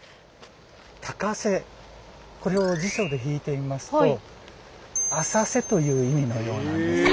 高瀬これを辞書で引いてみますと浅瀬という意味のようなんですよ。